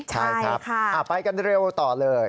ใช่ครับไปกันเร็วต่อเลย